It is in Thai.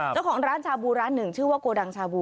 เจ้าของร้านชาบูร้านหนึ่งชื่อว่าโกดังชาบู